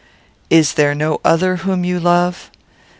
"Is there no other whom you love?"